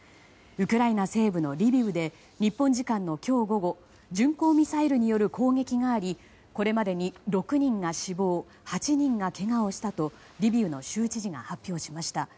ウクライナ西部のリビウで日本時間の今日午後巡航ミサイルによる攻撃がありこれまでに６人が死亡８人がけがをしたとリビウの州知事が発表しました。